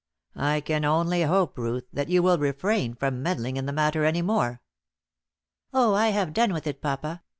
I can only hope, Ruth, that you will refrain from meddling in the matter any more." "Oh, I have done with it, papa.